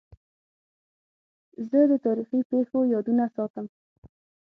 زه د تاریخي پېښو یادونه ساتم.